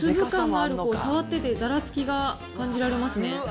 粒感がある、触っててざらつきが感じられますね。